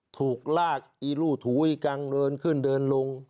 ถูกลากอีลู่ถูอีกังเดินขึ้นเดินลง